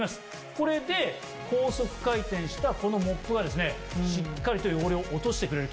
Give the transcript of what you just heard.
これで高速回転したこのモップがですねしっかりと汚れを落としてくれると。